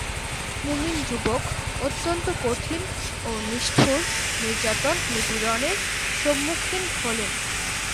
মুমিন যুবক অত্যন্ত কঠিন ও নিষ্ঠুর নির্যাতন-নিপীড়নের সম্মুখীন হলেন।